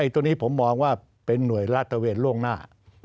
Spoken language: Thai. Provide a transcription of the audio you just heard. ตรงนี้ผมมองว่าเป็นหน่วยรัฐเวทรล่วงหน้า